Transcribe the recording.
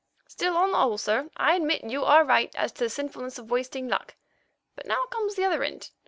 "Still, on the whole, sir, I admit you are right as to the sinfulness of wasting luck. But now comes the other end.